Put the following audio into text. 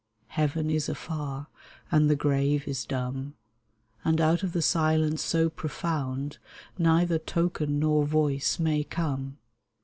Heaven is afar, and the grave is dumb, And out of the silence so profound Neither token nor voice may come